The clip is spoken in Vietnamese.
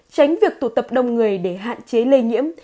tránh việc tụ tập đông người để hạn chế lây nhiễm